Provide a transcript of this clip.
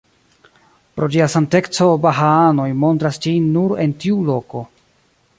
Pro ĝia sankteco bahaanoj montras ĝin nur en tiu loko.